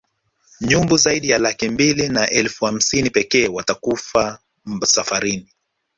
Nyumbu zaidi ya laki mbili na elfu hamsini pekee watakufa safarini